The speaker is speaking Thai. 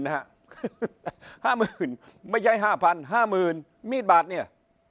ห้าหมื่นไม่ใช่๕๐๐๐๕๐๐๐๐มีดบาทเนี่ย